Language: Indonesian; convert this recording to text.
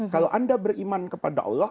kalau anda beriman kepada allah